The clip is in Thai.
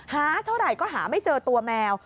หาเท่าไหร่ก็หาไม่เจอตัวแมว